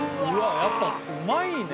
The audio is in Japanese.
やっぱうまいね！